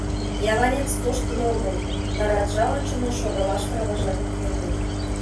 Яванец тоштын огыл, да раджа ончылно шогалаш праважат уке ыле.